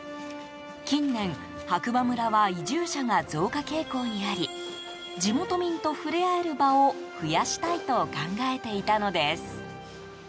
近年、白馬村は移住者が増加傾向にあり地元民と触れ合える場を増やしたいと考えていたのです。